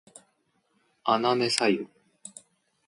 あなねさゆ